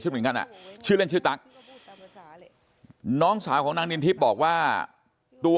ชื่อหนึ่งทำนะชื่อตั๊กน้องสาวของนางนินทิพย์บอกว่าตัว